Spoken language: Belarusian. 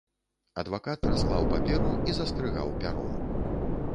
Адвакат расклаў паперу і заскрыгаў пяром.